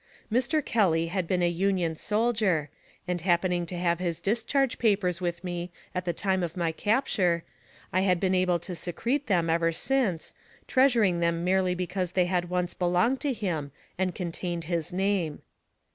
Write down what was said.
Mr. Kelly had been a Union soldier, and happening to have his discharge papers with me at the time of my capture, I had been able to secrete them ever since, treasuring them merely because they had once belonged to him and contained his name.